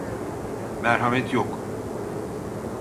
Merhamet yok!